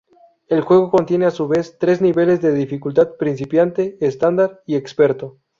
El juego contiene a su vez, tres niveles de dificultad: principiante, estándar y experto.